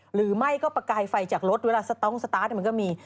หรือไม่ก็ประกายไฟจากรถเวลาสต๊อกสตาร์ทมันก็มี